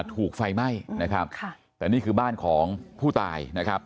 ถูกไฟไหม้นะครับค่ะแต่นี่คือบ้านของผู้ตายนะครับ